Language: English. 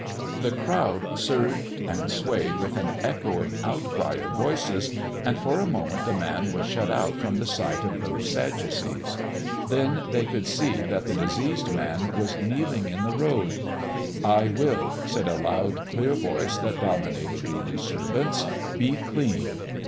The crowd surged and swayed with an echoing outcry of voices, and for a moment the man was shut out from the sight of those sadducees. Then they could see that the diseased man was kneeling in the road. "I will," said a loud, clear voice that dominated the disturbance. "Be clean!"